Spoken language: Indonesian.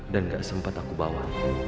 dan gak sempat aku bawa